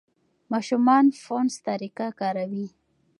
ماشومان فونس طریقه کاروي.